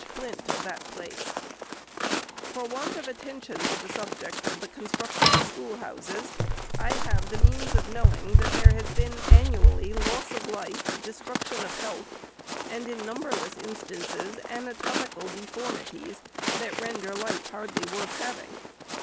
Flint, of that place :" For want of attention to the * The Rev. Gardiner B. Perry, of Bradford. ON SCHOOLHOUSES. 461 subject," (the construction of schoolhouses,) " I have the means of knowing, that there has been annually loss of life, destruction of health, and, in numberless instances, anatomical deformities, that render life hardly worth having.